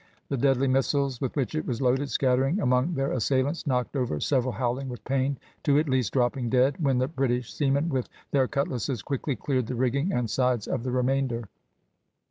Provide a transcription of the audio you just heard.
The deadly missiles with which it was loaded, scattering among their assailants, knocked over several howling with pain, two at least dropping dead, when the British seamen with their cutlasses quickly cleared the rigging and sides of the remainder.